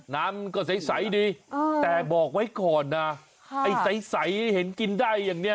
น้ำก็ใสดีแต่บอกไว้ก่อนนะไอ้ใสเห็นกินได้อย่างเนี้ย